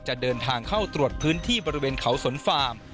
จะเดินทางเข้าตรวจพื้นที่บริเวณเขาสนฟาร์ม